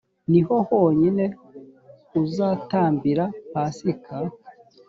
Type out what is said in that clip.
ni ho honyine uzatambira pasika,